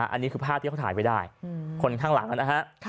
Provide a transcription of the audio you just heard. อันนี้คือภาพที่เขาถ่ายไว้ได้คนข้างหลังนะฮะ